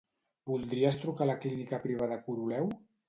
Voldries trucar a la Clínica Privada Coroleu?